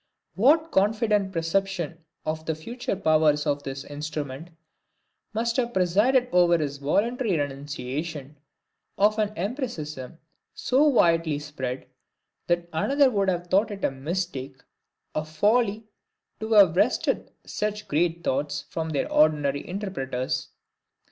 What confident perception of the future powers of his instrument must have presided over his voluntary renunciation of an empiricism, so widely spread, that another would have thought it a mistake, a folly, to have wrested such great thoughts from their ordinary interpreters!